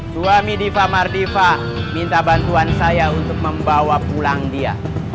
suami diva mardiva minta bantuan saya untuk membawa pulang dia